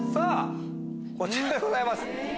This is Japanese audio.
こちらでございます。